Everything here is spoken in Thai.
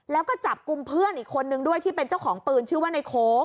แล้วก็จับกลุ่มเพื่อนอีกคนนึงด้วยที่เป็นเจ้าของปืนชื่อว่าในโค้ก